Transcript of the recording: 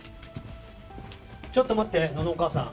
ちょっと待って、お母さん。